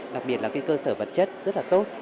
đặc biệt là cơ sở vật chất rất là tốt